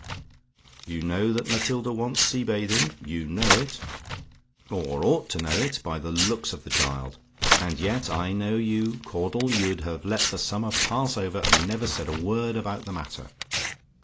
"You know that Matilda wants sea bathing; you know it, or ought to know it, by the looks of the child; and yet I know you, Caudle you'd have let the summer pass over, and never said a word about the matter.